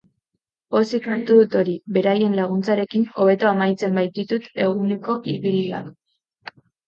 Pozik hartu dut hori, beraien laguntzarekin hobeto amaitzen baititut eguneko ibiliak.